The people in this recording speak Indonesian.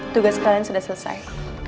tugas kalian sudah selesai